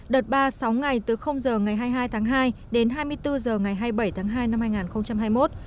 đợt ba sáu ngày từ h ngày hai mươi hai tháng hai đến hai mươi bốn h ngày hai mươi bảy tháng hai năm hai nghìn hai mươi một